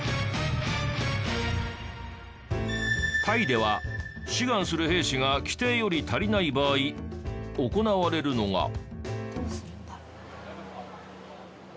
タイでは志願する兵士が規定より足りない場合行われるのが。